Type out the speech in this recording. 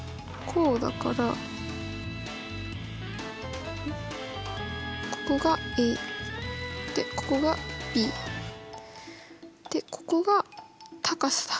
こうだからここがＡでここがＢでここが高さだ。